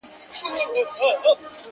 هغه به زما له سترگو-